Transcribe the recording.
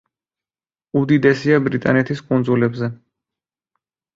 უდიდესია ბრიტანეთის კუნძულებზე.